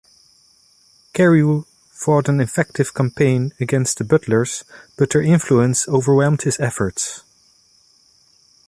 Carew fought an effective campaign against the Butlers, but their influence overwhelmed his efforts.